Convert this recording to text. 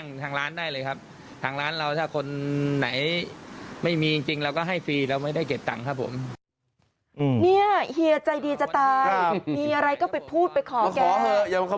มาขอเถอะอย่ามาขโมยเลย